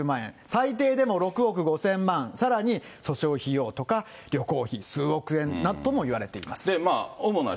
最低でも６億５０００万、さらに訴訟費用とか旅行費、数億円ともいわれています。